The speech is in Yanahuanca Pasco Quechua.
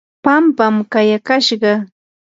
pampam kayakashqa.